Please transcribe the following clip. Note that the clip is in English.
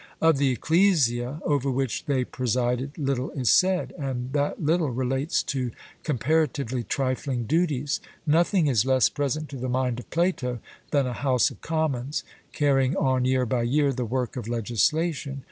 Of the ecclesia over which they presided little is said, and that little relates to comparatively trifling duties. Nothing is less present to the mind of Plato than a House of Commons, carrying on year by year the work of legislation.